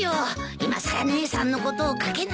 いまさら姉さんのことを書けないし。